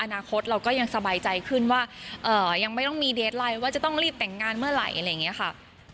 อนาคตเราก็ยังสบายใจขึ้นว่ายังไม่ต้องมีเดสไลน์ว่าจะต้องรีบแต่งงานเมื่อไหร่อะไรอย่างนี้ค่ะ